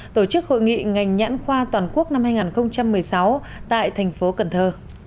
tổ chức hội nghị ngành nhãn khoa toàn quốc năm hai nghìn một mươi sáu tại thành phố cần thơ